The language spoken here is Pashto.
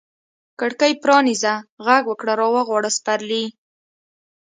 کړکۍ پرانیزه، ږغ وکړه را وغواړه سپرلي